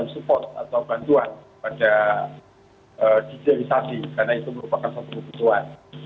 dan support atau bantuan pada digitalisasi karena itu merupakan satu kebutuhan